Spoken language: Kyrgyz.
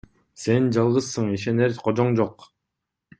Сен жалгызсың, ишенер кожоң жок.